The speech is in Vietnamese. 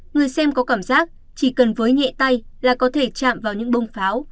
người xem có cảm giác chỉ cần với nhẹ tay là có thể chạm vào những bông pháo